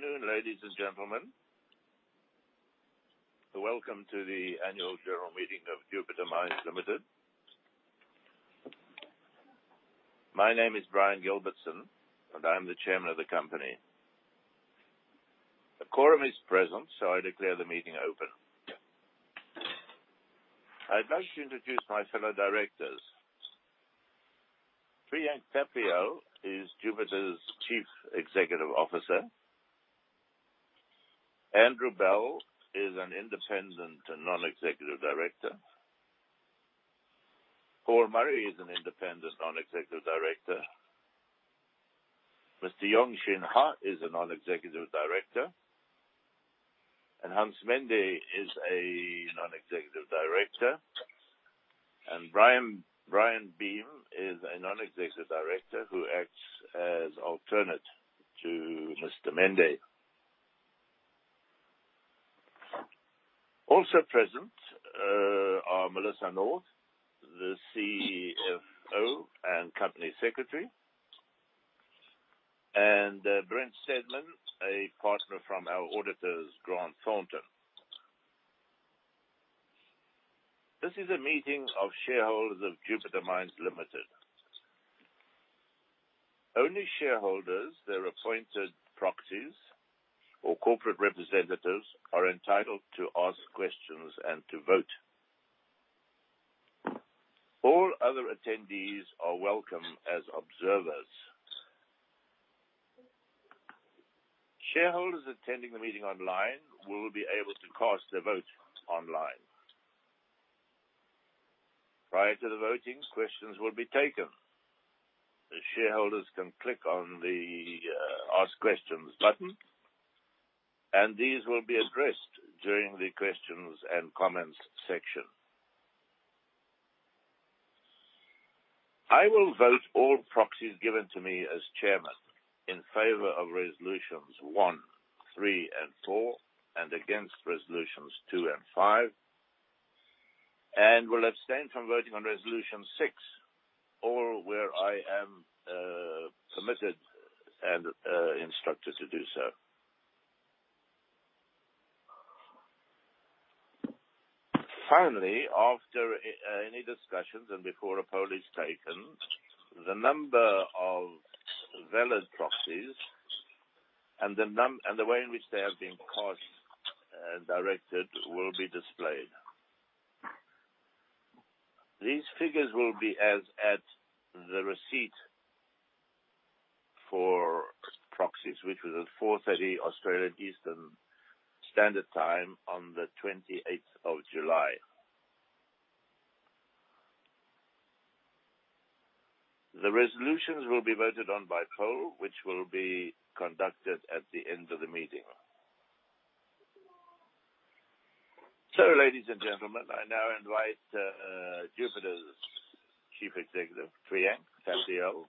Good afternoon, ladies and gentlemen. Welcome to the Annual General meeting of Jupiter Mines Limited. My name is Brian Gilbertson, and I'm the Chairman of the company. A quorum is present, so I declare the meeting open. I'd like to introduce my fellow directors. Priyank Thapliyal is Jupiter's Chief Executive Officer. Andrew Bell is an Independent Non-Executive Director. Paul Murray is an Independent Non-Executive Director. Yeongjin Heo is a Non-Executive Director. Hans Mende is a Non-Executive Director. Brian Beem is a Non-Executive Director who acts as alternate to Mr. Mende. Also present are Melissa North, the CFO and Company Secretary, and Brent Steedman, a partner from our auditors, Grant Thornton. This is a meeting of shareholders of Jupiter Mines Limited. Only shareholders, their appointed proxies, or corporate representatives are entitled to ask questions and to vote. All other attendees are welcome as observers. Shareholders attending the meeting online will be able to cast their vote online. Prior to the voting, questions will be taken. The shareholders can click on the Ask Questions button, and these will be addressed during the questions and comments section. I will vote all proxies given to me as chairman in favor of resolutions 1, 3, and 4, and against resolutions 2 and 5, and will abstain from voting on resolution 6 or where I am permitted and instructed to do so. After any discussions and before a poll is taken, the number of valid proxies and the way in which they have been cast and directed will be displayed. These figures will be as at the receipt for proxies, which was at 4:30 P.M. Australia Eastern Standard Time on the 28th of July. The resolutions will be voted on by poll, which will be conducted at the end of the meeting. Ladies and gentlemen, I now invite Jupiter's Chief Executive, Priyank Thapliyal,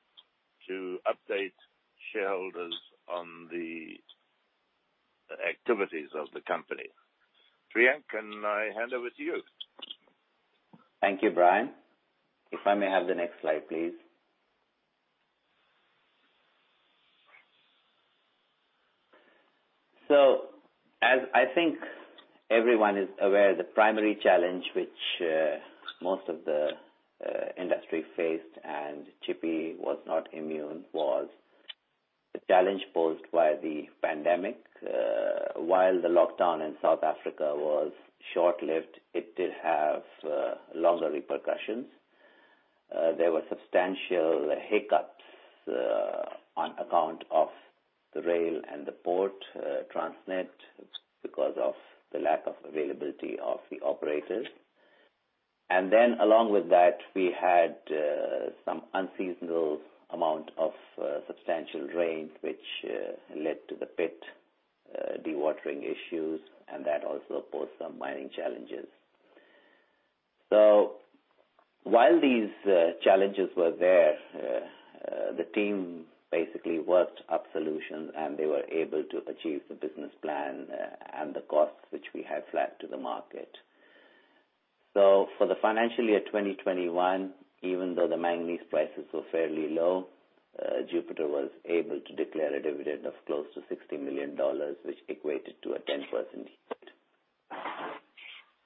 to update shareholders on the activities of the company. Priyank, can I hand over to you? Thank you, Brian. If I may have the next slide, please. As I think everyone is aware, the primary challenge which most of the industry faced, and Jupi was not immune, was the challenge posed by the pandemic. While the lockdown in South Africa was short-lived, it did have longer repercussions. There were substantial hiccups on account of the rail and the port Transnet because of the lack of availability of the operators. Along with that, we had some unseasonal amount of substantial rain, which led to the pit dewatering issues, and that also posed some mining challenges. While these challenges were there, the team basically worked up solutions, and they were able to achieve the business plan and the costs which we had flagged to the market. For the financial year 2021, even though the manganese prices were fairly low, Jupiter was able to declare a dividend of close to 60 million dollars, which equated to a 10%.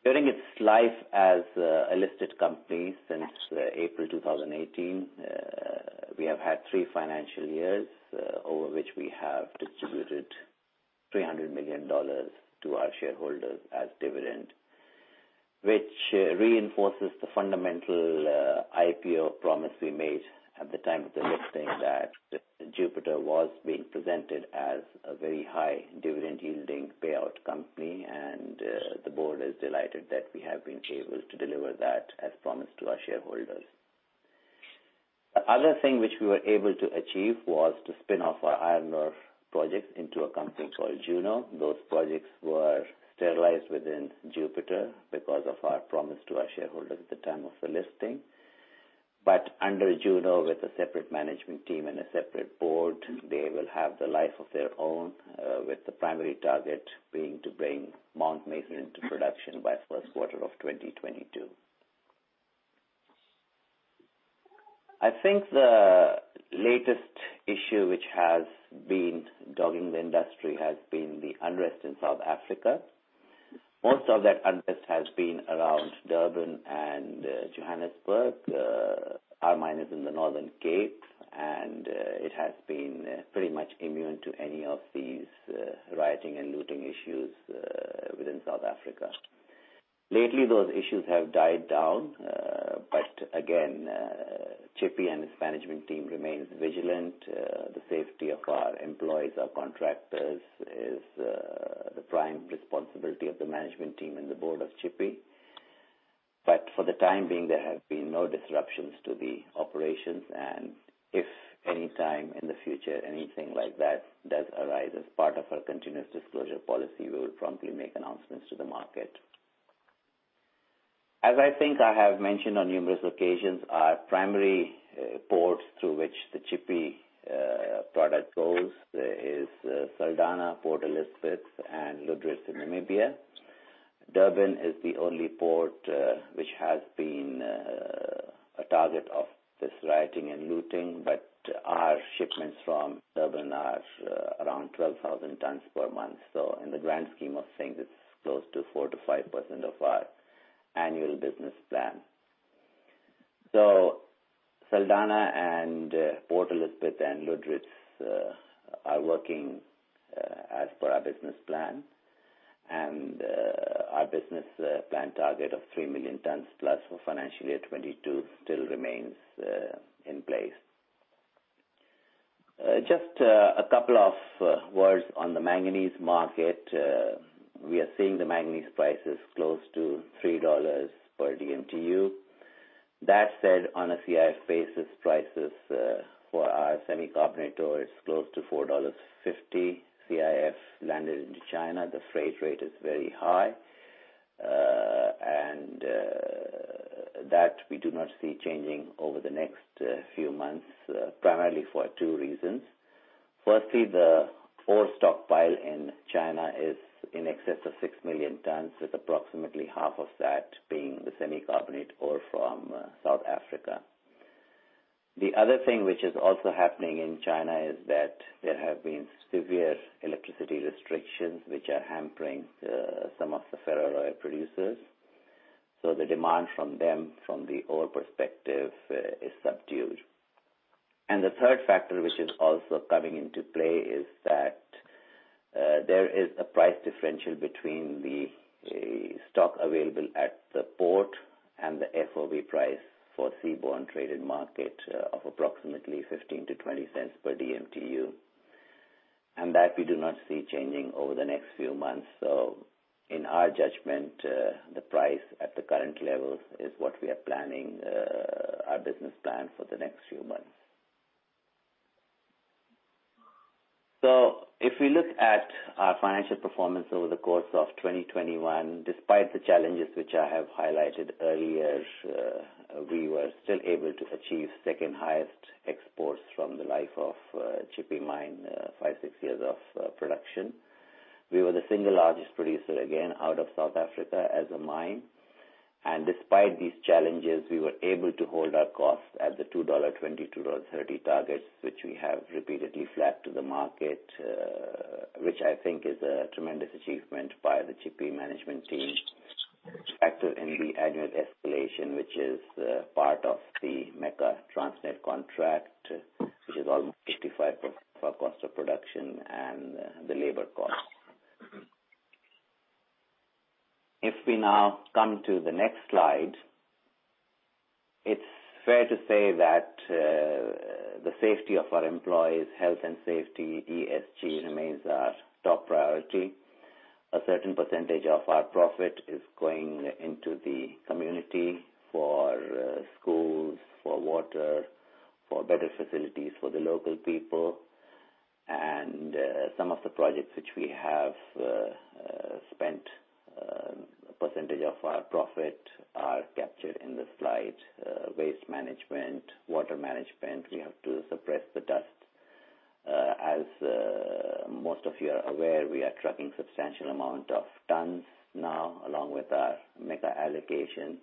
During its life as a listed company since April 2018, we have had three financial years over which we have distributed 300 million dollars to our shareholders as dividend, which reinforces the fundamental IPO promise we made at the time of the listing that Jupiter was being presented as a very high dividend-yielding payout company, and the board is delighted that we have been able to deliver that as promised to our shareholders. The other thing which we were able to achieve was to spin off our iron ore project into a company called Juno. Those projects were sterilized within Jupiter because of our promise to our shareholders at the time of the listing. Under Juno, with a separate management team and a separate board, they will have the life of their own, with the primary target being to bring Mount Mason into production by first quarter of 2022. I think the latest issue which has been dogging the industry has been the unrest in South Africa. Most of that unrest has been around Durban and Johannesburg. Our mine is in the Northern Cape, and it has been pretty much immune to any of these rioting and looting issues within South Africa. Lately, those issues have died down. Again, Tshipi and its management team remains vigilant. The safety of our employees, our contractors, is the prime responsibility of the management team and the board of Tshipi. For the time being, there have been no disruptions to the operations, and if anytime in the future anything like that does arise, as part of our continuous disclosure policy, we will promptly make announcements to the market. As I think I have mentioned on numerous occasions, our primary ports through which the Tshipi product goes is Saldanha, Port Elizabeth, and Lüderitz in Namibia. Durban is the only port which has been a target of this rioting and looting, but our shipments from Durban are around 12,000 tonnes per month. In the grand scheme of things, it's close to 4%-5% of our annual business plan. Saldanha and Port Elizabeth and Lüderitz are working as per our business plan. Our business plan target of 3 million tonnes plus for financial year 2022 still remains in place. Just a couple of words on the manganese market. We are seeing the manganese prices close to 3 dollars per dmtu. That said, on a CIF basis, prices for our semi-carbonate ore is close to 4.50 dollars. CIF landed into China, the freight rate is very high, and that we do not see changing over the next few months, primarily for two reasons. Firstly, the ore stockpile in China is in excess of 6 million tonnes, with approximately half of that being the semi-carbonate ore from South Africa. The other thing which is also happening in China is that there have been severe electricity restrictions, which are hampering some of the ferroalloy producers. The demand from them, from the ore perspective, is subdued. The third factor which is also coming into play is that there is a price differential between the stock available at the port and the FOB price for seaborne traded market of approximately 0.15-0.20 per dmtu. That we do not see changing over the next few months. In our judgment, the price at the current levels is what we are planning our business plan for the next few months. If we look at our financial performance over the course of 2021, despite the challenges which I have highlighted earlier, we were still able to achieve second highest exports from the life of Tshipi mine, five, six years of production. We were the single largest producer, again, out of South Africa as a mine. Despite these challenges, we were able to hold our costs at the 2.20-2.30 dollar targets, which we have repeatedly flagged to the market, which I think is a tremendous achievement by the Tshipi management team. Factor in the annual escalation, which is part of the MECA Transnet contract, which is almost 85% of our cost of production and the labor cost. If we now come to the next slide, it's fair to say that the safety of our employees' health and safety, ESG, remains our top priority. A certain percentage of our profit is going into the community for schools, for water, for better facilities for the local people. Some of the projects which we have spent a percentage of our profit are captured in the slide. Waste management, water management. We have to suppress the dust. As most of you are aware, we are trucking substantial amount of tons now, along with our MECA allocation.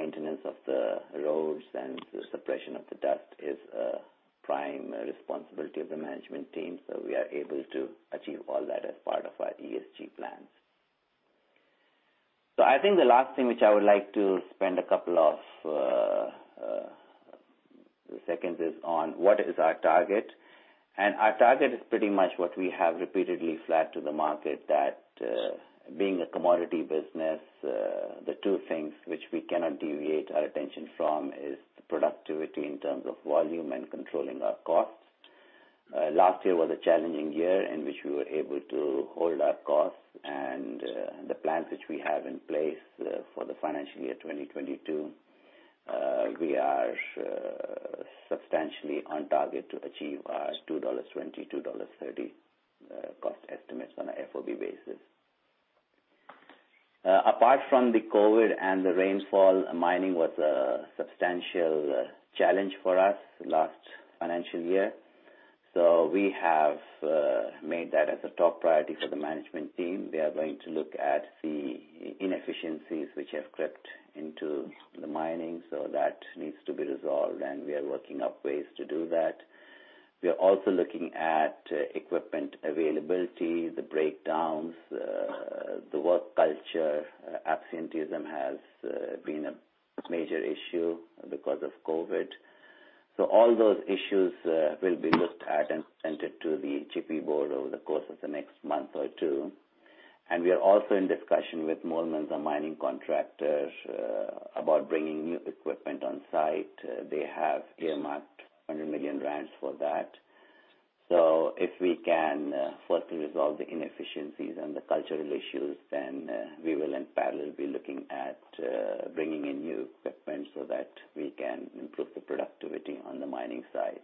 Maintenance of the roads and the suppression of the dust is a prime responsibility of the management team, we are able to achieve all that as part of our ESG plans. I think the last thing which I would like to spend a couple of seconds is on what is our target. Our target is pretty much what we have repeatedly flagged to the market, that being a commodity business, the two things which we cannot deviate our attention from is the productivity in terms of volume and controlling our costs. Last year was a challenging year in which we were able to hold our costs and the plans which we have in place for the financial year 2022. We are substantially on target to achieve our 2.20-2.30 dollars cost estimates on a FOB basis. Apart from the COVID and the rainfall, mining was a substantial challenge for us last financial year. We have made that as a top priority for the management team. We are going to look at the inefficiencies which have crept into the mining, so that needs to be resolved, and we are working up ways to do that. We are also looking at equipment availability, the breakdowns, the work culture. Absenteeism has been a major issue because of COVID. All those issues will be looked at and presented to the Tshipi board over the course of the next month or two. We are also in discussion with Moolmans Mining Contractor about bringing new equipment on-site. They have earmarked 100 million rand for that. If we can first resolve the inefficiencies and the cultural issues, then we will in parallel be looking at bringing in new equipment so that we can improve the productivity on the mining side.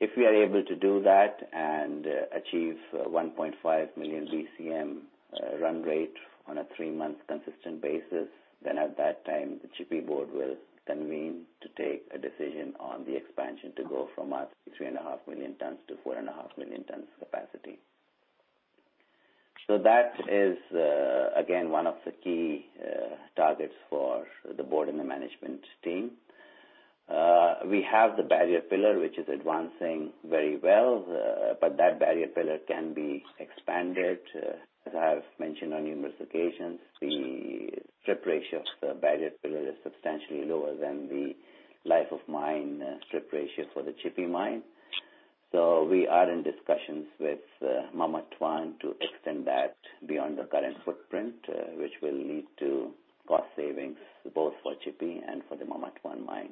If we are able to do that and achieve 1.5 million BCM run rate on a 3-month consistent basis, then at that time, the Tshipi board will convene to take a decision on the expansion to go from our 3.5 million tons to 4.5 million tons capacity. That is, again, one of the key targets for the board and the management team. We have the Barrier Pillar, which is advancing very well. That Barrier Pillar can be expanded. As I have mentioned on numerous occasions, the strip ratio of the Barrier Pillar is substantially lower than the life of mine strip ratio for the Tshipi mine. We are in discussions with Mamatwan to extend that beyond the current footprint, which will lead to cost savings both for Tshipi and for the Mamatwan mine.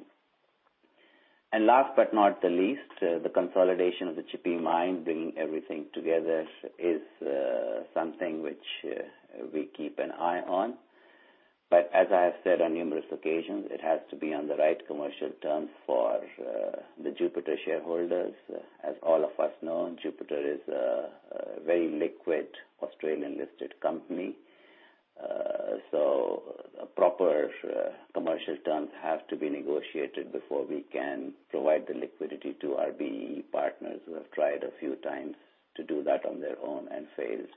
Last but not the least, the consolidation of the Tshipi mine, bringing everything together is something which we keep an eye on. As I have said on numerous occasions, it has to be on the right commercial terms for the Jupiter shareholders. As all of us know, Jupiter is a very liquid Australian-listed company. Proper commercial terms have to be negotiated before we can provide the liquidity to our BEE partners who have tried a few times to do that on their own and failed.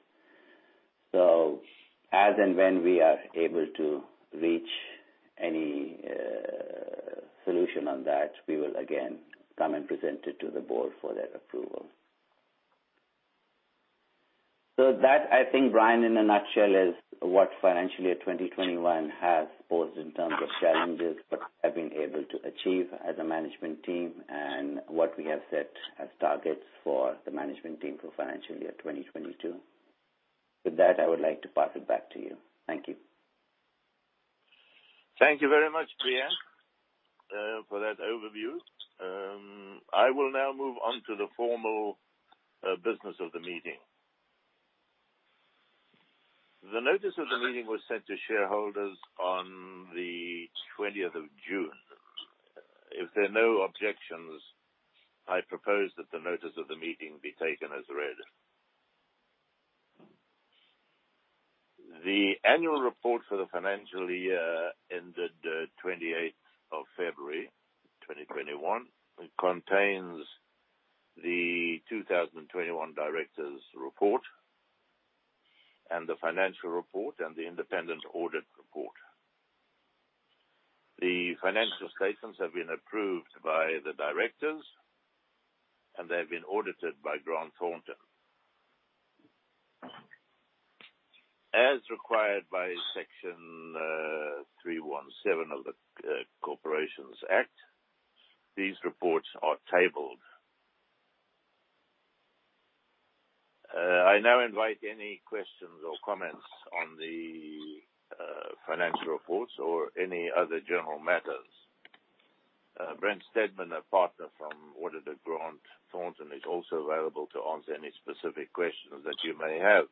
As and when we are able to reach any solution on that, we will again come and present it to the board for their approval. That, I think, Brian, in a nutshell, is what financial year 2021 has posed in terms of challenges, but have been able to achieve as a management team and what we have set as targets for the management team for financial year 2022. With that, I would like to pass it back to you. Thank you. Thank you very much, Priyank, for that overview. I will now move on to the formal business of the meeting. The notice of the meeting was sent to shareholders on the 20th of June. If there are no objections, I propose that the notice of the meeting be taken as read. The annual report for the financial year ended 28th of February 2021. It contains the 2021 directors' report and the financial report and the independent audit report. The financial statements have been approved by the directors, and they have been audited by Grant Thornton. As required by Section 317 of the Corporations Act, these reports are tabled. I now invite any questions or comments on the financial reports or any other general matters. Brent Steedman, a partner from auditor Grant Thornton, is also available to answer any specific questions that you may have.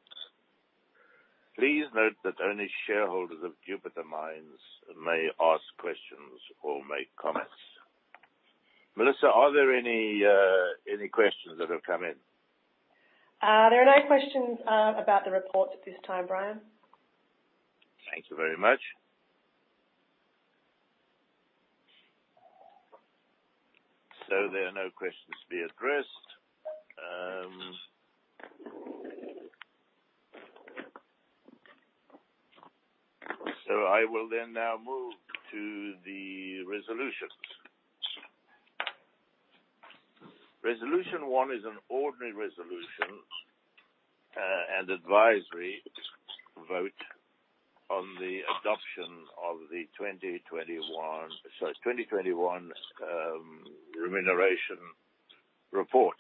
Please note that only shareholders of Jupiter Mines may ask questions or make comments. Melissa, are there any questions that have come in? There are no questions about the report at this time, Brian. Thank you very much. There are no questions to be addressed. I will then now move to the resolutions. resolution 1 is an ordinary resolution and advisory vote on the adoption of the 2021 remuneration report,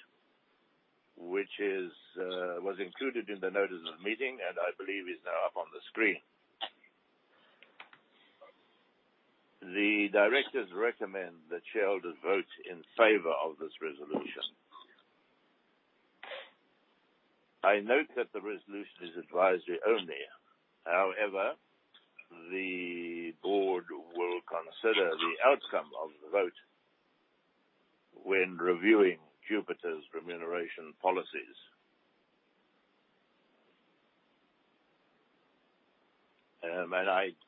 which was included in the notice of meeting, and I believe is now up on the screen. The directors recommend that shareholders vote in favor of this resolution. I note that the resolution is advisory only. However, the board will consider the outcome of the vote when reviewing Jupiter's remuneration policies.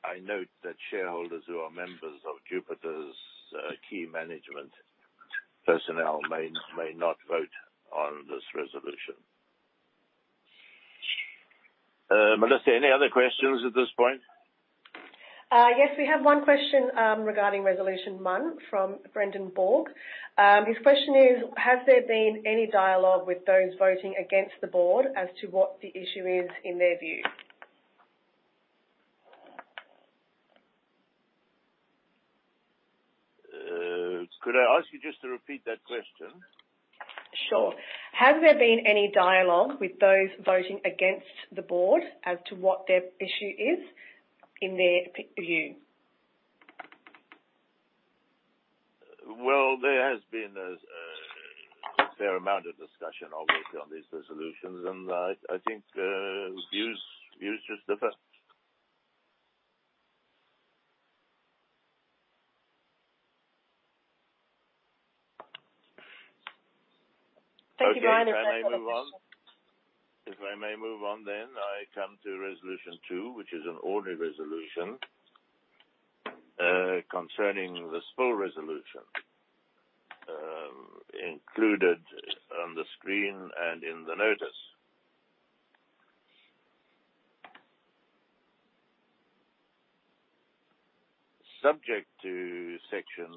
I note that shareholders who are members of Jupiter's key management personnel may not vote on this resolution. Melissa, any other questions at this point? Yes, we have one question regarding resolution 1 from Brendan Borg. His question is, "Has there been any dialogue with those voting against the board as to what the issue is in their view? Could I ask you just to repeat that question? Sure. "Has there been any dialogue with those voting against the board as to what their issue is in their view? Well, there has been a fair amount of discussion, obviously, on these resolutions, and I think views just differ. Thank you, Brian. Okay. If I may move on, I come to resolution 2, which is an ordinary resolution concerning the Spill resolution included on the screen and in the notice. Subject to Section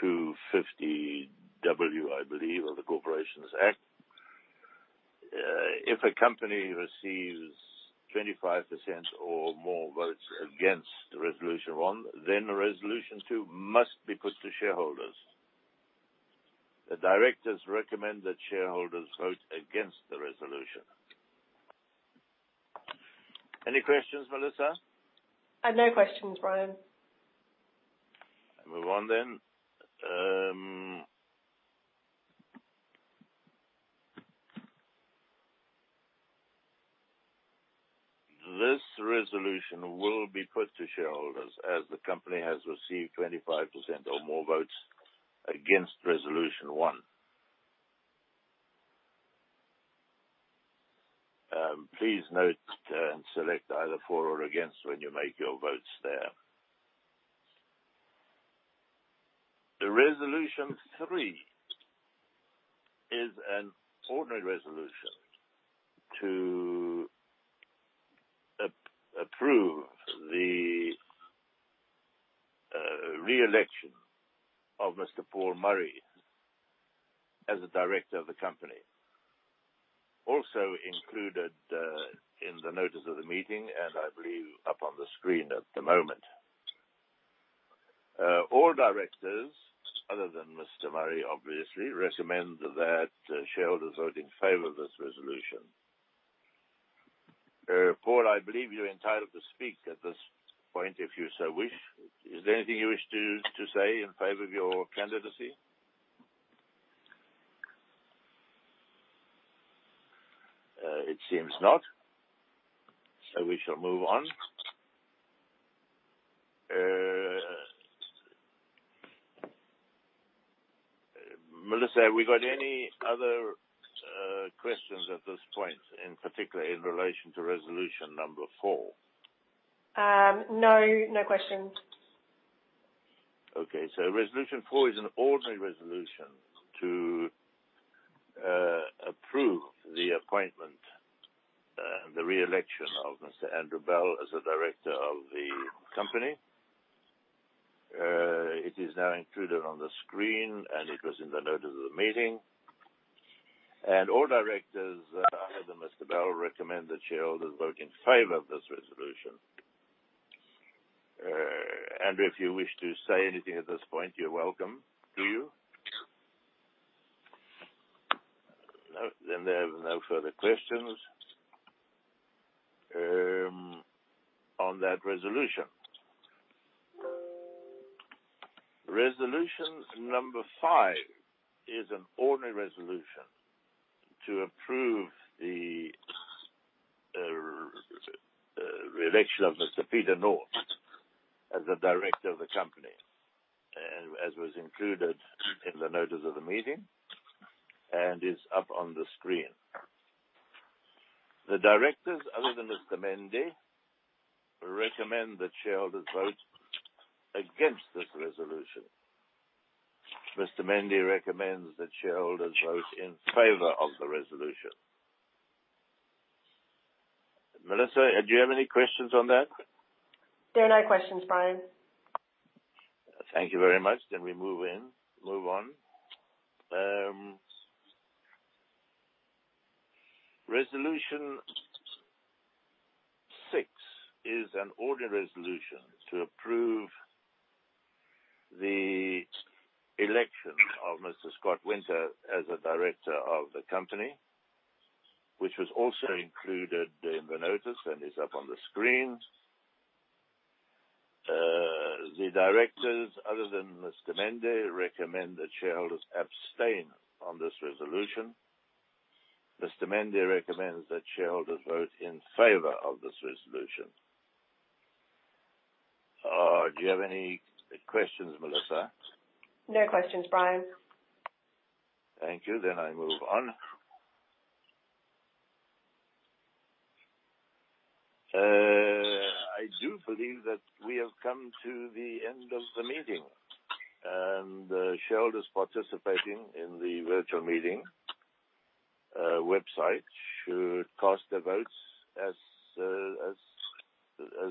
250W, I believe, of the Corporations Act, if a company receives 25% or more votes against resolution 1, then resolution 2 must be put to shareholders. The directors recommend that shareholders vote against the resolution. Any questions, Melissa? No questions, Brian. Move on. This resolution will be put to shareholders as the company has received 25% or more votes against resolution 1. Please note and select either for or against when you make your votes there. The resolution 3 is an ordinary resolution to approve the re-election of Mr. Paul Murray as a director of the company, also included in the notice of the meeting, and I believe up on the screen at the moment. All directors, other than Mr. Murray, obviously, recommend that shareholders vote in favor of this resolution. Paul, I believe you're entitled to speak at this point, if you so wish. Is there anything you wish to say in favor of your candidacy? It seems not, so we shall move on. Melissa, have we got any other questions at this point, in particular in relation to resolution number 4? No. No questions. Okay. resolution 4 is an ordinary resolution to approve the appointment and the re-election of Mr. Andrew Bell as a director of the company. It is now included on the screen, and it was in the notice of the meeting. All Directors, other than Mr. Bell, recommend that shareholders vote in favor of this resolution. Andrew, if you wish to say anything at this point, you're welcome. Do you? No. There are no further questions on that resolution. resolution number 5 is an ordinary resolution to approve the re-election of Mr. Peter North as a director of the company. As was included in the notice of the meeting and is up on the screen. The Directors, other than Mr. Mende, recommend that shareholders vote against this resolution. Mr. Mende recommends that shareholders vote in favor of the resolution. Melissa, do you have any questions on that? There are no questions, Brian. Thank you very much. We move on. resolution 6 is an ordinary resolution to approve the election of Mr. Scott Winter as a director of the company, which was also included in the notice and is up on the screen. The directors, other than Mr. Mende, recommend that shareholders abstain on this resolution. Mr. Mende recommends that shareholders vote in favor of this resolution. Do you have any questions, Melissa? No questions, Brian. Thank you. I move on. I do believe that we have come to the end of the meeting. Shareholders participating in the virtual meeting website should cast their votes as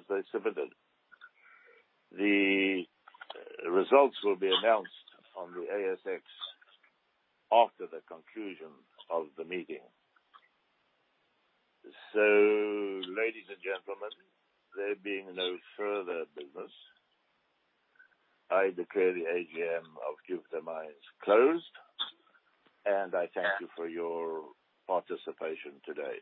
they submitted. The results will be announced on the ASX after the conclusion of the meeting. Ladies and gentlemen, there being no further business, I declare the AGM of Jupiter Mines closed, and I thank you for your participation today.